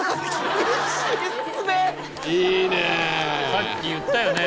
さっき言ったよね。